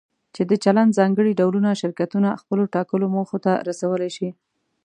چې د چلند ځانګړي ډولونه شرکتونه خپلو ټاکلو موخو ته رسولی شي.